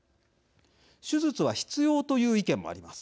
手術は必要という意見もあります。